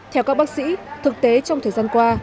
theo các bác sĩ thực tế trong thời gian qua